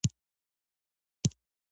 پر سبا يې له ډاکتر بلال څخه مې وپوښتل.